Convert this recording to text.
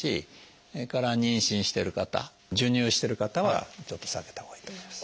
それから妊娠してる方授乳してる方はちょっと避けたほうがいいと思います。